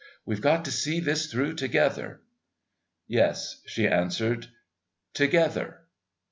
We've got to see this through together." "Yes," she answered, "together."